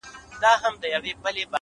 • لوبي له لمبو سره بل خوند لري ,